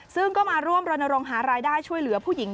ซึ่งก็มาร่วมรณรงค์หารายได้ช่วยเหลือผู้หญิง